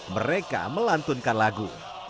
mereka melantunkan lagu